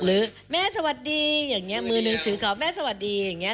แม่สวัสดีอย่างนี้มือหนึ่งถือเขาแม่สวัสดีอย่างนี้